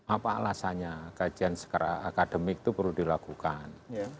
apa alasannya kajian secara akademik itu perlu dilakukan